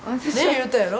言うたやろ？